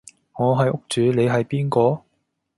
我係屋主你係邊個？